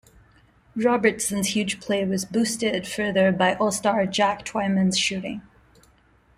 Robertson's huge play was boosted further by all-star Jack Twyman' shooting.